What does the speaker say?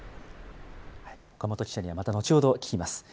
岡本記者には、また後ほど聞きます。